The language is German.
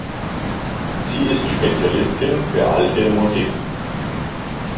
Sie ist Spezialistin für Alte Musik.